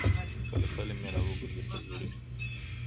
• کله کله مي را وګرځي په زړه کي -